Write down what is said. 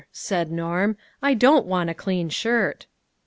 " said Norm. " I don't want a clean shirt."